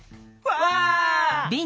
わあ！